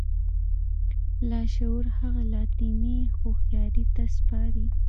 لاشعور هغه لايتناهي هوښياري ته سپاري.